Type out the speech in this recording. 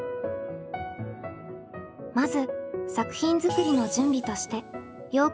まず作品作りの準備としてよう